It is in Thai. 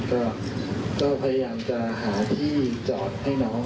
ก็พยายามจะหาที่จอดให้น้อง